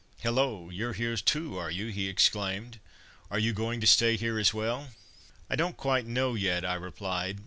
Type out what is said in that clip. "Hullo, you're here too, are you?" he exclaimed. "Are you going to stay here as well?" "I don't quite know yet," I replied.